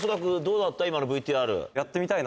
今のＶＴＲ。